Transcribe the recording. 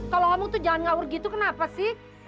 kalau ngomong itu jangan ngaur gitu kenapa sih